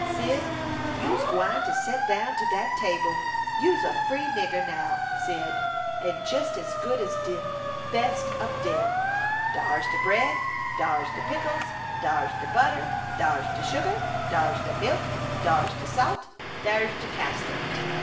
Cyd, you'se gwine to set down to dat table. You'se a free nigger, now, Cyd, and jes as good as de best ob dem. Dar's de bread, dar's de pickles, dar's de butter, dar's de sugar, dar's de milk, dar's de salt, dar's de castor.